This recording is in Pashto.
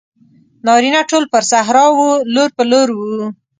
نارینه ټول پر صحرا وو لور په لور وو.